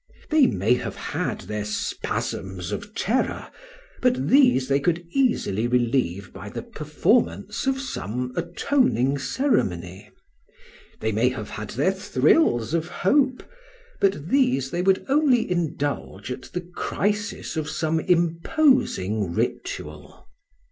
They may have had their spasms of terror, but these they could easily relieve by the performance of some atoning ceremony; they may have had their thrills of hope, but these they would only indulge at the crisis of some imposing ritual.